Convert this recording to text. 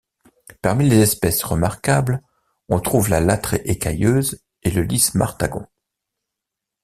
Parmi les espèces remarquables, on trouve la Lathrée écailleuse et le Lis martagon.